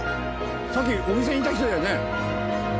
さっきお店にいた人だよね？